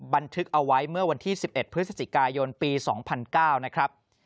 บันทึกเอาไว้เมื่อวันที่๑๑พฤศจิกายนปี๒๐๐๙นะครับ